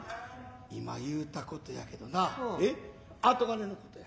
今言うたことやけどな跡金のことや。